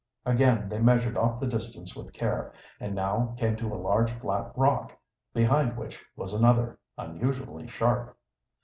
Again they measured off the distance with care, and now came to a large flat rock, behind which was another, unusually sharp.